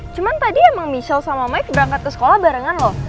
cuma tadi emang michel sama mike berangkat ke sekolah barengan loh